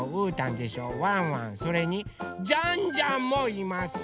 それにジャンジャンもいます！